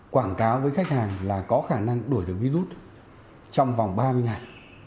quảng cáo với khách hàng là có khả năng đuổi được virus trong vòng ba mươi ngày